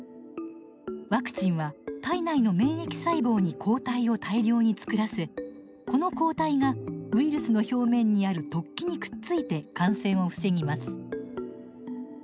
ワクチンは体内の免疫細胞に抗体を大量に作らせこの抗体がウイルスの表面にある突起にくっついて感染を防ぎます。